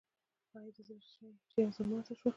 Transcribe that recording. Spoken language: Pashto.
او د زړۀ شيشه چې ئې يو ځل ماته شوه